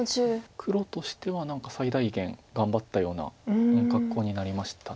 黒としては何か最大限頑張ったような格好になりました。